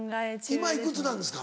今いくつなんですか？